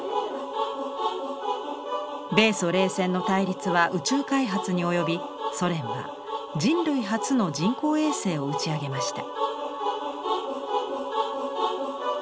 米ソ冷戦の対立は宇宙開発に及びソ連は人類初の人工衛星を打ち上げました。